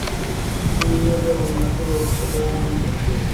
ځیني نور بیا په مناسبه او ټیټه بیه هم موندل کېږي